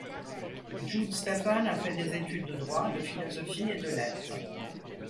Jude Stéfan a fait des études de droit, de philosophie et de lettres.